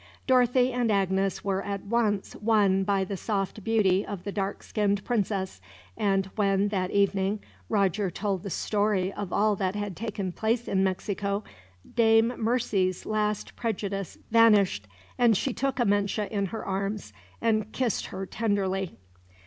Dorothy and Agnes were at once won by the soft beauty of the dark skinned princess; and when, that evening, Roger told the story of all that had taken place in Mexico, Dame Mercy's last prejudice vanished, and she took Amenche in her arms and kissed her tenderly.